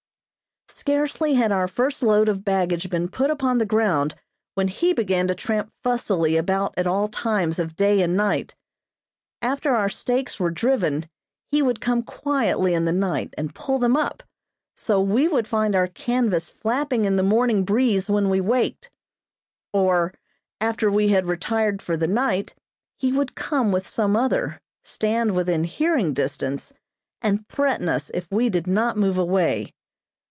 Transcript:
Scarcely had our first load of baggage been put upon the ground when he began to tramp fussily about at all times of day and night. After our stakes were driven he would come quietly in the night and pull them up, so we would find our canvas flapping in the morning breeze when we waked. Or, after we had retired for the night, he would come with some other, stand within hearing distance, and threaten us if we did not move away.